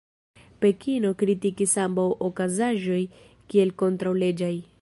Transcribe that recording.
Pekino kritikis ambaŭ okazaĵoj kiel kontraŭleĝaj.